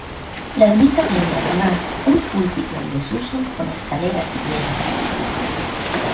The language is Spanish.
La ermita tiene además un púlpito en desuso con escaleras de piedra.